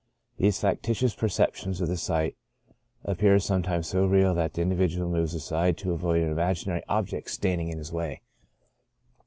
These factitious per ceptions of the sight appear sometimes so real that the indi vidual moves aside to avoid an imaginary object standing in his way.